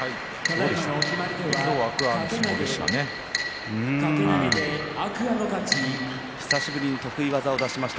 今日は天空海の相撲でした。